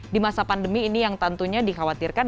di masa pandemi ini yang tentunya dikhawatirkan